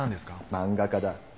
漫画家だ。